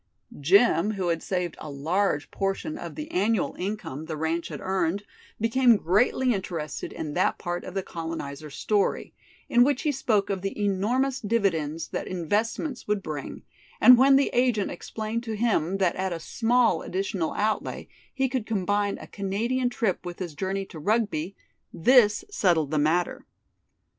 Jim, who had saved a large portion of the annual income the ranch had earned became greatly interested in that part of the colonizer's story, in which he spoke of the enormous dividends that investments would bring, and when the agent explained to him that at a small additional outlay he could combine a Canadian trip with his journey to Rugby, this settled the matter.